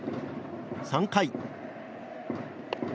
３回。